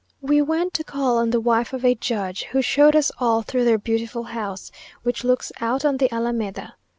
We went to call on the wife of a judge, who showed us all through their beautiful house, which looks out on the Alameda.